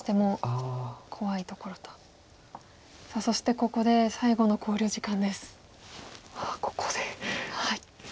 さあそしてここで最後の考慮時間です。